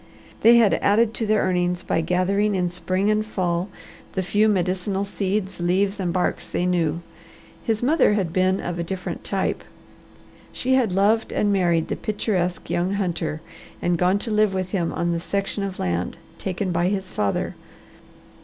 They had added to their earnings by gathering in spring and fall the few medicinal seeds, leaves, and barks they knew. His mother had been of different type. She had loved and married the picturesque young hunter, and gone to live with him on the section of land taken by his father.